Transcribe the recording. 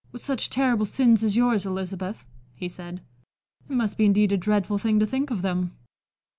"With such terrible sins as yours, Elizabeth," he said, "it must be indeed a dreadful thing to think of them."